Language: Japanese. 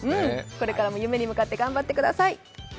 これからも夢に向かって頑張ってください。